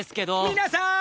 皆さん！